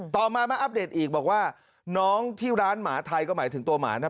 ต่อมามาอัปเดตอีกบอกว่าน้องที่ร้านหมาไทยก็หมายถึงตัวหมานะ